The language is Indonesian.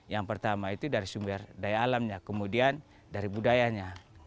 yang pertama itu dari sumber daya alamnya kemudian dari budayanya